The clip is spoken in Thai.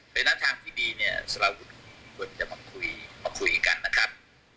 เป็นนักทางที่ดีเนี่ยสละวุฒิมีคนจะมาคุยกันนะครับ